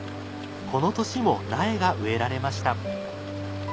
この年も苗が植えられました。